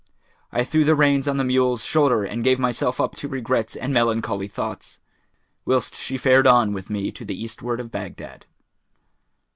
I threw the reins on the mule's shoulders and gave myself up to regrets and melancholy thoughts, whilst she fared on with me to the eastward of Baghdad.